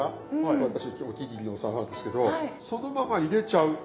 私のお気に入りのお皿なんですけどそのまま入れちゃう。